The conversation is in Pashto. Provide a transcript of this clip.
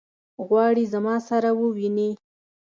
غواړي زما سره وویني.